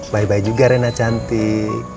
bye bye juga rena cantik